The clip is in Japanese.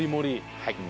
はい。